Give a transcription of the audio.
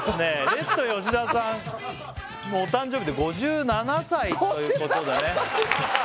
レッド吉田さんのお誕生日で５７歳ということでね５７歳か！？